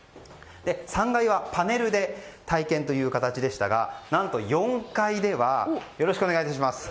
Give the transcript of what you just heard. ３階はパネルで体験という形でしたが何と４階ではよろしくお願いします。